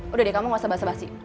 udah deh kamu gak sebah sebah sih